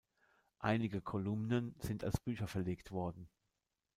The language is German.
Einige Kolumnen sind als Bücher verlegt worden.